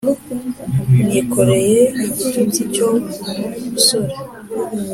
Nikoreye igitutsi cyo mu busore